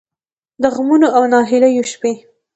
د غمـونـو او نهـيليو شـپې